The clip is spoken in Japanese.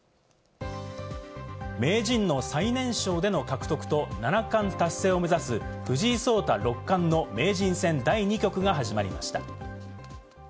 名人の最年少での獲得と７冠達成を目指す藤井聡太六冠の名人戦第２局が始まりました。